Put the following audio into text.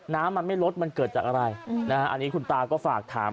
น้ำมันไม่ลดมันเกิดจากอะไรนะฮะอันนี้คุณตาก็ฝากถาม